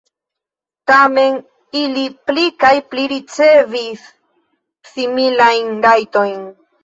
Tamen ili pli kaj pli ricevis similajn rajtojn.